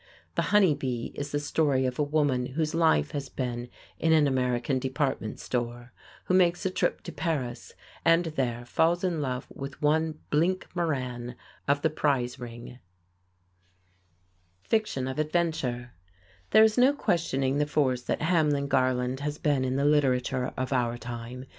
"The Honey Bee" is the story of a woman whose life has been in an American department store, who makes a trip to Paris, and there falls in love with one Blink Moran, of the prize ring. [Illustration: JOSEPH LINCOLN'S HOME Summit Avenue, Hackensack, N. J.] Fiction of Adventure There is no questioning the force that Hamlin Garland has been in the literature of our time.